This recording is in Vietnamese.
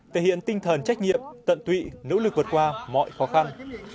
thể hiện tinh thần trách nhiệm tận tụy nỗ lực vượt qua mọi khó khăn